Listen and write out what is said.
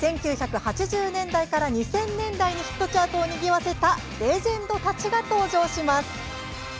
１９８０年代から２０００年代にヒットチャートをにぎわせたレジェンドたちが登場します。